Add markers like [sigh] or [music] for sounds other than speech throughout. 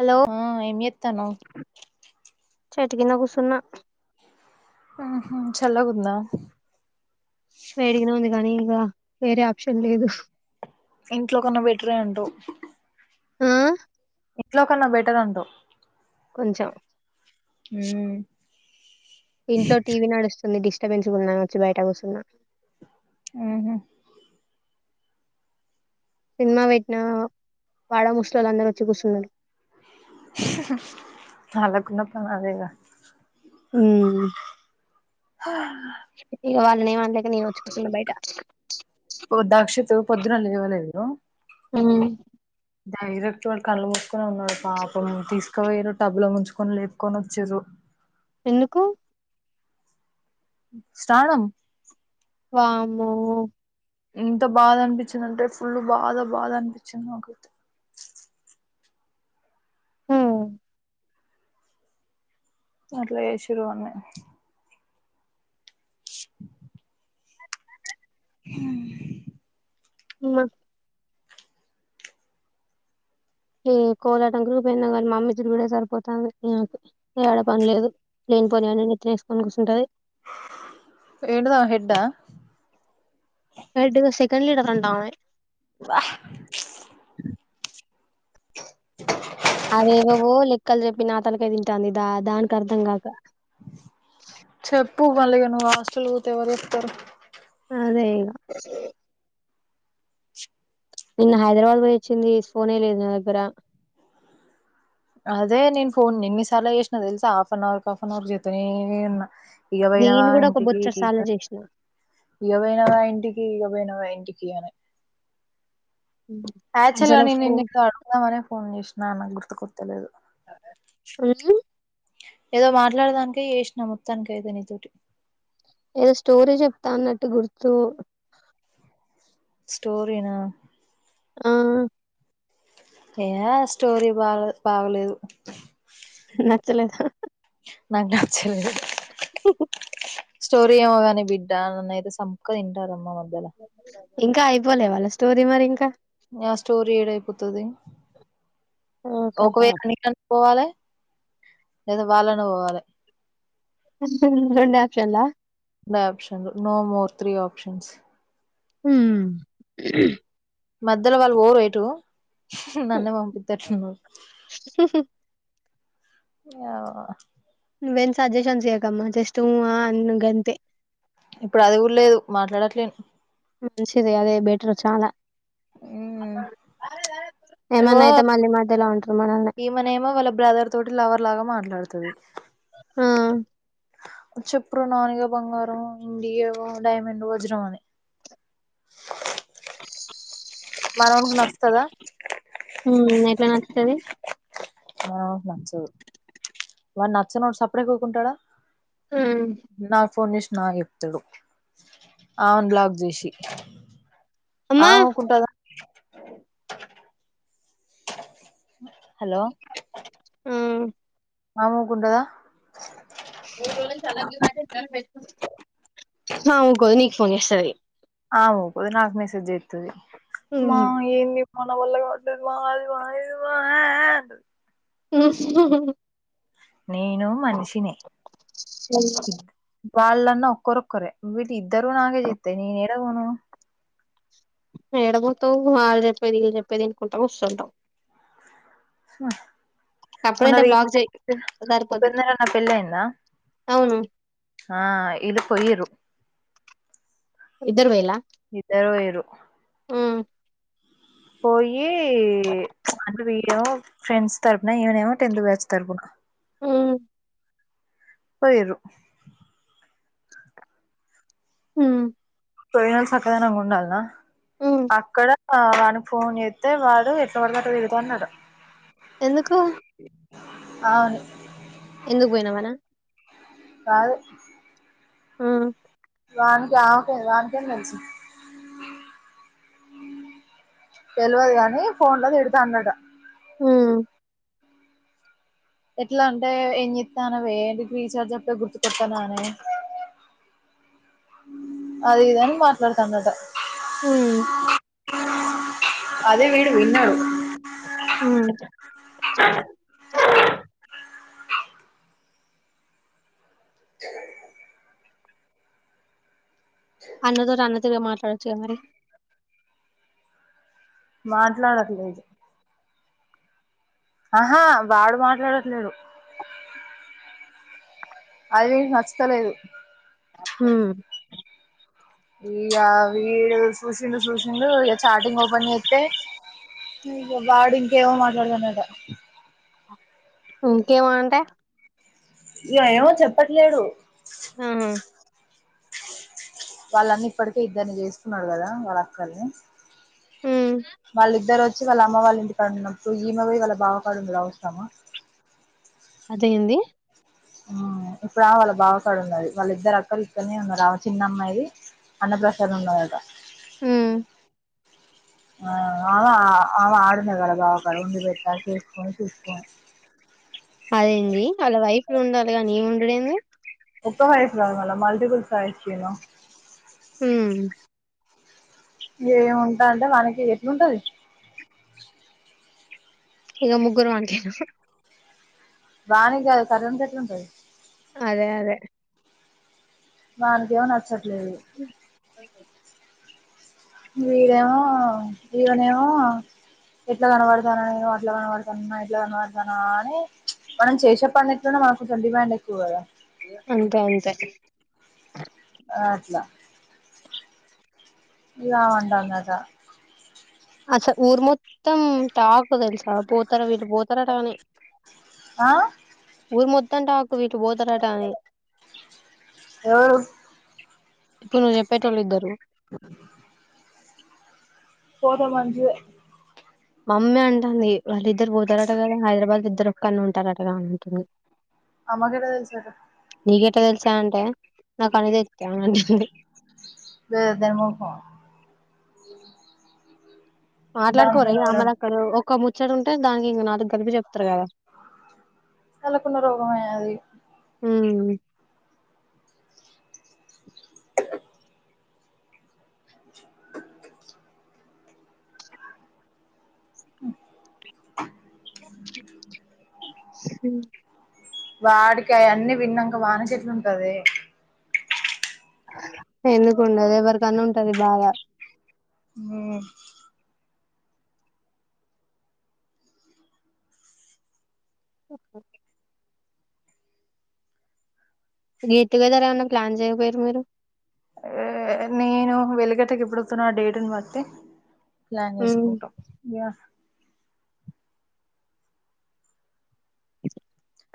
Hello ఆ ఏమ్ ఏత్తాన్నవ్ చెట్టు కింద గుసున్న మ్ హ్ చల్లగుందా వేడిగనే ఉంది గానీ ఇగా వేరే ఆప్షన్ లేదు ఇంట్లో కన్నా బెటరే అంటవ్ ఆ ఇట్లో కన్నా బెటర్ అంటవ్ కొంచెం మ్ ఇంట్లో టీవీ నడుస్తుంది డిస్టర్బెన్స్ గుందన్ చెప్పి ఒచ్చి బయట కుసున్నా ఆ హ్ సినిమా పెట్టిన వాడ ముస్లోలు అందరు ఒచ్చి కుసున్నరు వాళ్లకున్న పని అదేగా మ్ హా ఇగ వాళ్ళనేమనలేక నేనే ఒచ్చికుస్తున్నా బయట ఓ దాక్షిత్ పొద్దున లే ఇవ్వలేదు మ్ డైరెక్ట్ వాడు కళ్ళ పోసుకనే ఉన్నాడు పాపం తీసుకువయరు టబ్ లో ముంచుకొని లేప్కొని ఒచ్చిర్రు ఎందుకు స్నానమ్ వామ్మో ఎంత బాధ అనిపించింది అంటే ఫుల్ బాధ బాధ అనిపించింది నాకు అట్లా చేశిర్రుల వాన్ని ఉమ్ ఉమ్మ ఏ కోలాటం గ్రూప్ ఏందో కానీ మా అమ్మ ఇచ్చింది కూడా సరిపోతాంది నాకు యాడ పని లేదు లేనిపోని అన్ని నెత్తినేసుకోని కూసుంటది ఏండువా హెడ్డా హెడ్ గా సెకండ్ లీడర్ అంట ఆమె వాహ్ అదేవోవో లెక్కలు చెప్పినా తనకే తింటాందిదా దానికి అర్థం చెప్పు మల్ల నువ్వు హాస్టల్ పోతే ఎవరు వస్తారు అదే ఇగ నిన్న హైదరాబాద్ పోయి వచ్చింది ఫోన్ లేదు నా దగ్గర అదే నేను ఫోన్ ఎన్నిసార్లు చేసినా తెలుసా half an hour half an hour చేతనే ఉన్నా ఇగ పోయినవా ఇంటికి ఇగ కృష్ణ ఇగపోయినవా ఇంటికి ఇగపోయినవా ఇంటికిఅని యాక్చువల్ల గా అసలు నెన్ను ఫోన్ ఏదో అడుగుదామనే ఫోన్ చేసినా నాకు గుర్తు కొత్త లేదు రియ్యి ఏదో మాట్లాడదానికె చేసినా మొత్తానికి ఏదో నీతోటి ఏదో స్టోరీ చెప్తా అన్నట్టు గుర్తు స్టోరీనా ఆ ఏ స్టోరీ బా బాగలేదు నచ్చలేదు నాకు నచ్చలేదు స్టోరీ ఏమో కానీ బిడ్ డాన్లో నేర సంపుకొని తింటారుమ్మ వాళ్ళు ఇంకా అయిపోలే వాళ్ళ స్టోరీ మరి ఇంకా నా స్టోరీ ఏడయిపోతుది ఓ కదా ఒకవేళ నీ కన్నా పోవాలే లేదా వాళ్ళ అన్న పోవాలే రొండో యాక్షన్ల రెండు ఆప్షన్లు నో మోర్ త్రీ ఆప్షన్స్ హామ్ మధ్యలో వాళ్ళు ఓవెట్టు నన్నే పంపిస్తారు హు యావ నువ్వేం సజెషన్ చేయకు జస్ట్ ఉ అ అను గంతే ఇప్పుడు అది కూడా లేదు మాట్లాడట్లేదు మంచింది అదే బెటరు చాలా మ్మ్ ఇగో ఏమన్నా అయితే మళ్ళీ మధ్యలో అంటారు మనల్లే ఈమనేమో వాళ్ళ బ్రదర్ తోటి లవర్ లాగా మాట్లాడుతది ఆ చెప్పురూ నానిగా బంగారం డి ఏ ఓ డైమండ్ వజ్రం అనీ మనోడే నచ్చుతాదా ఉ ఎట్లా నచ్చుతది ఆవును నచ్చదు వాడు నచ్చనోడు సపుడే కూకుంటాడా ఉమ్ నా ఫోన్ చేసి నాక్ చెప్తాడు ఆమెని బ్లాక్ చేసి అమ్మా ఆమే ఊకుంటదా హలో ఆమే ఉకుంటదా ఆ ఉకోదు నీక్ ఫోన్ చేస్తది ఆమ్ ఉకోదు నాకు మైసేజ్ జేస్తాది మనం వల్ల కావట్లేదు మా అది మా ఇది మా నేను మనుషినే వాళ్ళన్న ఒక్కరు ఒక్కరే వీళ్ళు ఇద్దరు నాకే జెత్తే నేనేడ పోను ఏడపోతావు వాళ్ళు చెప్పేది వీళ్ళు చెప్పేది ఇనుకుంటా కూర్సుంటావు మొన్న అప్పుడంటే బ్లాక్ చేయి రీసెంట్ గా సరిపోద్ది ఉపేందర్ అన్న పెళ్ళి అయిందా అవును ఆ ఇళ్ళు పోయిర్రు ఇద్దరు పోయిన్ల ఇద్దరు పొయిర్రు ఉమ్ పోయి అంటె విళ్ళెమో ఫ్రెండ్స్ తరుపున ఈవెనెమో టెన్త్ బ్యాచ్ తరుపున ఉమ్ పొయిర్రు హుమ్ పొయేవాళు సక్కదనంగ ఉండాల్న ఉమ్ అక్కడ ఆ వానికి ఫోన్ చేత్తే వాడు ఎట్ల వడ్తె అట్లా తిడ్తాన్నడు ఎందుకు ఔను ఎందుకు పొయినావ్ అనా కాదు ఉమ్ వాన్కి ఆమెకే నాకేం తెలుసు తెల్వదు గానీ ఫోన్లో తిడతాన్నడు ఉమ్ ఎట్ల అంటే ఏంజేతన్నవే నీకు రీచార్జ్ అప్పుడే గుర్తుకొత్తనానే అది ఇది అని మాట్లాడతాండాడు హుమ్ అదె వీడు విన్నడు ఉమ్ అన్నతోటి అన్నతోటే మాట్లాడవచ్చు కదా మరి మాట్లాడట్లేదు అహా వాడు మాట్లాడట్లేదు అది నచ్చుతలేదు హుమ్ ఇగ వీడు సూసిండు సూసిండు ఇగ చాటీంగ్ ఓపెన్ జేత్తే ఇగ వాడు ఇంకేమో మాట్లాడ్తుండె అట ఇంకేమీ అంటే యోయోవో చెప్పట్లేడు హా వాళ్ళన్న ఇప్పడికె ఇద్దర్ని చేస్కున్నాడ్ గదా వాళ్ళ అక్కల్ని హు. వాళ్ళిద్దరొచ్చి వాళ్ళ అమ్మ వాళ్ళ ఇంటి కాడ ఉన్నప్పుడు ఈమె పోయి వాళ్ళ బావ కాడ ఉండడు అవసరమా అదేంది ఆ ఇప్పుడా వాళ్ళ బావ కాడ ఉన్నది వాళ్ళ ఇద్దరు అక్కలు ఇక్కన్నే ఉన్నారు ఆమె చిన్నమ్మాయి అన్న ప్రసాదం ఉన్నదట హు ఆ ఆమె ఆమె ఆడున్నది వాళ్ళ బావ కాడ వండి పెడత చేసుకొని తీసుకో అదేంది ఆళ్ళ వైఫ్లు ఉండాలి గానీ ఈమె ఉండుడు ఏంది ఒక్క ఫైఫ్ కాద్ మళ్ళ మల్టిపుల్ వైఫ్స్ యు నో హు. ఏముంట అంటె మనకి ఎట్ల ఉంటుది ఇగ ముగ్గురం అంతేనా. దానికి కాదు కర్రోనికి ఎట్లుంటది అదే అదే వానికేమో నచ్చట్లేదు వీడేమో ఇమనేమో ఎట్ల కనపడుతన్న నేను అట్ల కనపడుతున్నాన ఇట్ల కనపడుతన్నా అని మనం చేసే పని ఎట్ల ఉన్న మానక్ కొంచం డిమాండ్ ఎక్కువ్ కదా అంతే అంతే అట్లా ఎలా అంటందట అసలు ఊరు మొత్తం టాకు తెలిసా పోతారా వీళ్ళు పోతారట అని ఆ ఊరు మొత్తం టాకు ఇట్లా పోతారట అని ఎవరు ఇప్పుడు నువ్వు చెప్పేటోళ్లు ఇద్దరు పోతే మంచిదే మమ్మీ అంటాంది వాళ్ళు ఇద్దరు పోతారటగాద హైదరాబాద్ ఇద్దరు ఒకక్కనే ఉంటారంటగా అని అంటుంది అమ్మకి ఎట్లా తెల్స్ నీక్ ఎట్ల తెలిసా అంటే నాకు అన్ని తెలుత్తయ్ అంటుంది ద దాని మొఖం మాట్లాడుకోరా దానిపైన ఇగా ఎవరన్ అమ్మాలక్కలు ఒక్క ముచ్చటుంటే దానికి ఇంగా నాలుగు గలిపి చె వాళ్లకున్న రోగమే అది ఉమ్ ఉ ఉమ్ వాడికి అ అన్నీ విన్నాంక వానీ కేట్ల ఉంటదే ఎందుకు ఉండదు ఎవరికన్నా ఉంటది బాధ ఉమ్. అహ గేట్ టూ గెథర్ ఏమైన్నా ప్లాన్ చేయకపోయారా మీరు వెలిగటకి ఎప్పుడతున్నా ఆ డేట్ని బట్టి ప్లాన్ హ్మ్ చేసుకుంటాం యా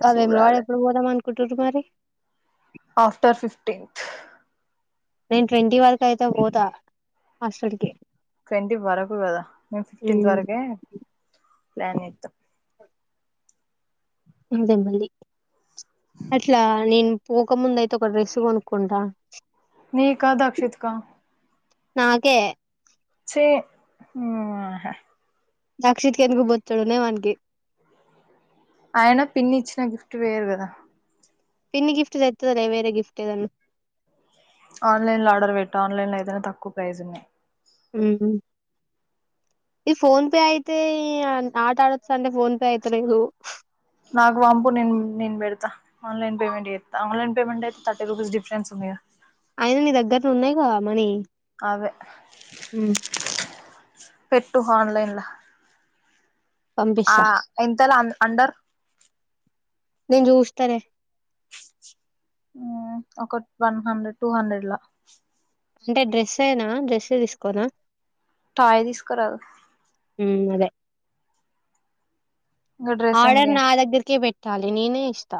ఆ వేములవాడ చూడాలే ఎప్పుడు పోదాం అనుకుంటురు మరి ఆఫ్టర్ ఫిఫ్టీన్త్త్ నేను ట్వంటీ వర్క్ అయితే పోతా హాస్టల్ కి ట్వంటీ వరకు గాదా మేము ఫిఫ్టీన్త్ ఉమ్, వరకే ప్లాన్ చేస్తాం నాకు తెల్వది అట్లా నేను పోక ముందయితే ఒక డ్రెస్ కొనుక్కుంటా నీకా దక్షిత్ కా నాకే చే ఆహా దక్షిత్ కేందుకు బొచ్చడు ఉన్నయ్ వానికి ఐయన పిన్ని ఇచ్చిన గిఫ్ట్ వేరు గాదా పిన్ని గిఫ్ట్ తేతదిలే వేరే గిఫ్ట్ ఏదన్న ఆన్లైన్ లో ఆర్డర్ పెట్టు ఆన్లైన్ లో ఏదైనా తక్కువ ప్రైజ్ ఉన్నాయి ఉహు ఈ ఫోన్ పే అయితే ఆట ఆడొచ్చా అంటె ఈ ఫోన్ పే అయితలేదు. నాకు పంపు నేన్ నేన్ బెడతా ఆన్లైన్ పేమెంట్ చేత్త ఆన్లైన్ పేమెంటైతే థటీ రూపీస్ డిఫరెన్స్ ఉందిగా అయన నీ దగ్గర ఉన్నాయి గా మనీ అవ్వే ఉమ్ పెట్టు ఆన్లైన్లా ఆ పంపిస్తా ఎంతలా అంద్ అందర్ నేన్ చూస్తలే ఆ ఒక వన్ హండ్రెడ్ టూ హండ్రెడ్ లా అంటే డ్రెస్ ఏనా డ్రెస్సె తీసుకోనా టాయ్ తీసుకరాదు ఉమ్ అదే ఇంకా డ్రెస్ ఆర్డర్ ఎందుకే నా దగ్గరకే పెట్ ట్టాలి నేనె ఇస్త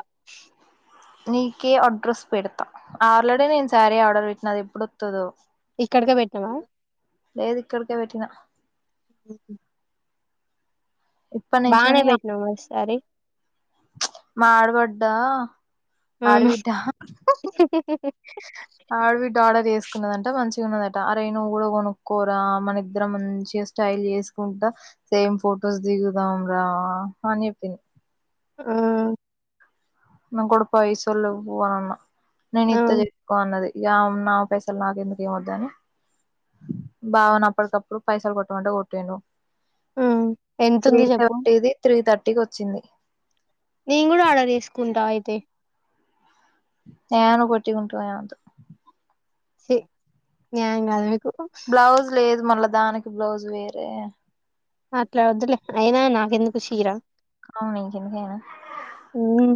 నీకే అడ్రస్ పెడ్తా ఆల్రెడీ నేను సారీ ఆర్డర్ పెట్టిన అదేప్పుడొతదో ఇక్కడికే పెట్నావా లేదిక్కడికే పెట్టినా ఆహ్ ఇప్పటి బానేే నుంచోని బెట్టినవ్గా సారి మా ఆడ్బడ్డా ఆ ఆడ్బిడ్డ ఆడవిడ్డ ఆడర్ వేస్కున్నదంట మంచిగున్నదంట అరే నువు గూడ కొనుక్కోరా మన ఇద్దరం మంచే స్టైల్ చేస్కుంటా సేమ్ ఫొటోస్ దిగుదాం రా అన్జెప్పింది ఆహ్ న కాడా పైసలు లేవు అన్నా ఆ నేనిత్త తిస్కో అన్నది ఇగ ఆమె నా పైసలు నాకు ఎందుకు ఏమోద్దని బావనప్పడికప్పుడు పైసలు కొట్టమంటే కొట్టిండు ఆ త్రీ ఎంతుంది చెప్పు థర్టీది త్రీ థర్టీకోచ్చింది నేను కూడా ఆర్డర్ చేస్కుంటా అయితే నేను పోట్టిగుంట ఏమొద్దు. చి న్యాయం కాదు మీకు. బ్లౌజ్ లేదు మళ్ళా దానికి బ్లౌజ్ వేరే. అట్లా వద్దులే అయినా నాకెందుకు షీరా. అవున్ నీకెందుకైనా. మ్మ్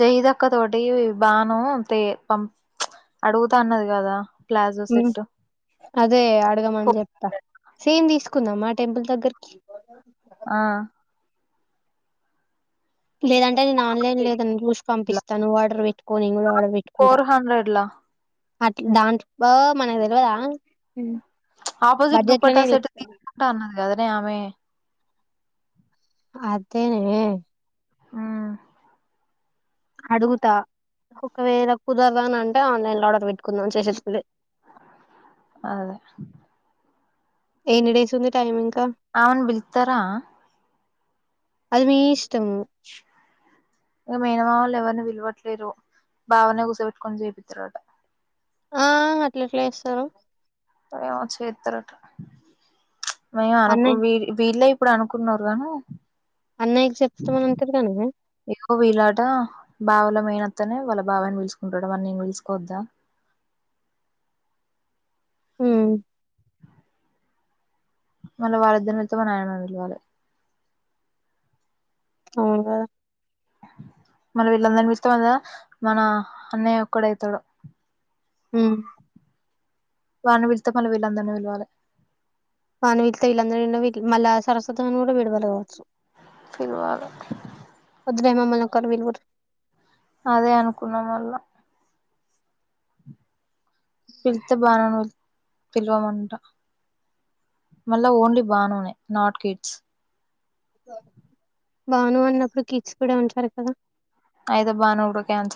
జైదక్క తోటి బాను పే పం అడుగుతా అన్నది కదా. ప్లాజో ఉహ్ సెట్ అదే అడగమని చెప్తా సేమ్ తీస్కుందామా టెంపుల్ దగ్గరికి. ఆ. లేదంటే నేను ఆన్లైన్ లేదని చూసి పంపిస్తాను ఆర్డర్ పెట్టుకో నేను కూడా ఆడర్ పెట్టుకుంటా. టు హండ్రెడ్లా. అట్ దాట్ బో మనకు తెల్వద. ఆపోజిట్ దుప్పట్టా సెట్ తీస్కుంటా అన్నది కదనే ఆమె. అదేనే. ఆ అడుగుతా ఒకవేళ కుదర్దని అంటే ఆన్లైన్లో ఆర్డర్ పెట్టుకుందాం చేసే [unintelligible] ఆహ్. ఎన్ని డేసుంది టైమింకా. అవ్ను బిల్తార. అది మీ ఇష్టం. ఇంక మేనమామ లేవళును విల్వట్లేరు బావనే కూర్సోె పెట్టుకొని చేపిత్తరట. ఆ అట్లేట్లా చేస్తారు. [unintelligible] చేత్ర అట మే అనుకు అన్నయ్య వీ-వీళ్లే. ఇప్పుడె అనుకున్నారు కానీ. అన్నయ్కి చెప్తామని అంటారు కానీ. ఎక్కువ వీలాట బావల మేనత్తని వాళ్ళ బావాని విలుచ్కుంటాడు మరి నిను విలుస్కోవద్దా. ఊ. మళ్ళ వాళ్ళద్దరిలతో మా నాయనమ్మ పిలవాలే. అవ్నుగా. మన [unintelligible] మన అన్నయ్య ఒక్కడైతాడు. ఊ. వాడ్ని విలిస్తే మళ్ళ వీళ్ళందర్నీ విళ్వాలే. వాడ్ని విళ్లతే వీళ్ళందరి [unintelligible] మళ్ళ సరస్వతన్ని కూడా విడ్వాల కావచ్చు. పిల్వాళే. ఒద్దులే మమ్మల్నొక్కర్ని విలువుర్రి. అదే అనుకున్నా మళ్ళ. పిళ్తే బానేను. పిల్లవమంట మళ్ళ ఓన్లీ బానునే నాట్ కిడ్స్. బాను అన్నప్పుడు కిడ్స్ కూడా ఉంటారు కదా. ఐతే బాను గూడ క్యాన్.